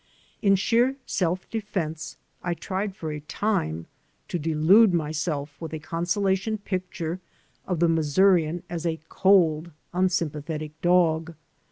In sheer self defense I tried for a time to delude myself with a consolation picture of the Missourian as a cold, unsympathetic dog.